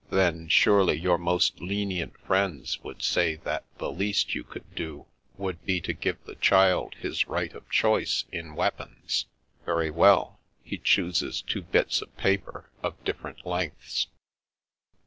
Then, surely your most lenient friends would say that the least you could do would be to give the child his right of choice in weapons. Very well; he chooses two bits of paper of different lengths."